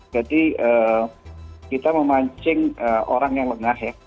jadi kita memancing orang yang lengah ya